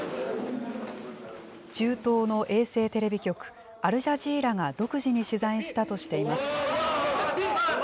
中東の衛星テレビ局、アルジャジーラが独自に取材したとしています。